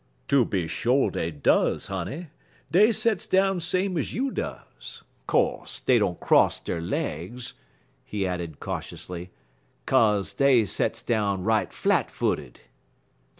"Tooby sho' dey does, honey; dey sets down same ez you does. Co'se, dey don't cross der legs," he added, cautiously, "kase dey sets down right flat footed."